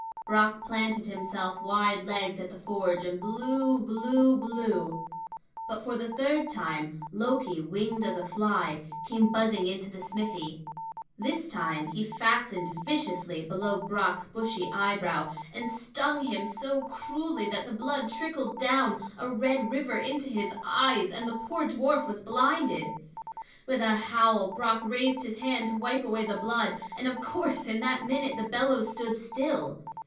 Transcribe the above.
Brock planted himself wide legged at the forge and blew blew blew. But for the third time Loki, winged as a fly, came buzzing into the smithy. This time he fastened viciously below Brock's bushy eyebrow, and stung him so cruelly that the blood trickled down, a red river, into his eyes and the poor dwarf was blinded. With a howl Brock raised his hand to wipe away the blood, and of course in that minute the bellows stood still.